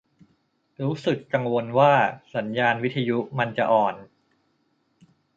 รู้สึกกังวลว่า สัญญาณวิทยุมันจะอ่อน